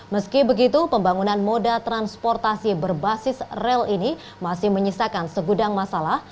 meski begitu pembangunan moda transportasi berbasis rel ini masih menyisakan segudang masalah